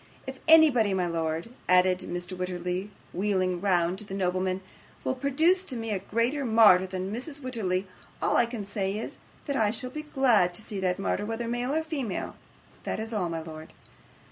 'If anybody, my lord,' added Mr. Wititterly, wheeling round to the nobleman, 'will produce to me a greater martyr than Mrs Wititterly, all I can say is, that I shall be glad to see that martyr, whether male or female that's all, my lord.